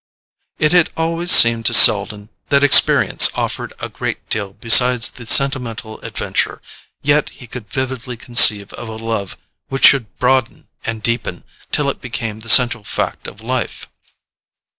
It had always seemed to Selden that experience offered a great deal besides the sentimental adventure, yet he could vividly conceive of a love which should broaden and deepen till it became the central fact of life.